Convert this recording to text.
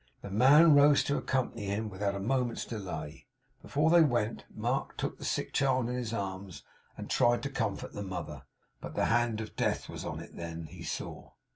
The man rose to accompany him without a moment's delay. Before they went, Mark took the sick child in his arms, and tried to comfort the mother; but the hand of death was on it then, he saw.